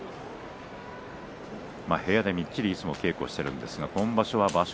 部屋でみっちりいつも稽古してるんですが今場所、場所